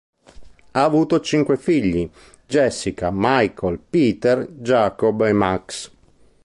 Ha avuto cinque figli: Jessica, Michael, Peter, Jacob, e Max.